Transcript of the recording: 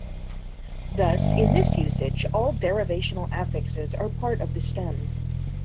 Thus, in this usage, all derivational affixes are part of the stem.